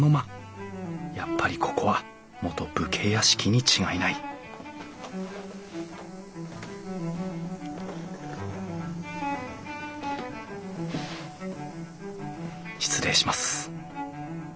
やっぱりここは元武家屋敷に違いない失礼します。